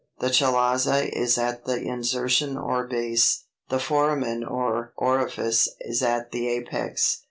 The chalaza is at the insertion or base, the foramen or orifice is at the apex.